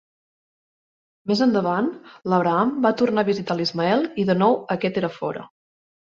Més endavant, l"Abraham va tornar a visitar l"Ismael i de nou aquest era fora.